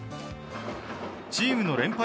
チームの連敗